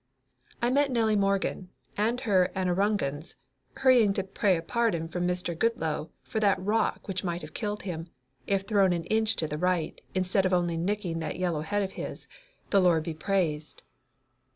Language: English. "I met Nellie Morgan and her Annarugans hurrying to pray a pardon from Mr. Goodloe for that rock which might have killed him, if thrown an inch to the right, instead of only nicking that yellow head of his, the Lord be praised!"